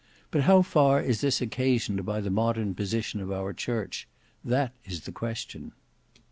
But how far is this occasioned by the modern position of our church? That is the question."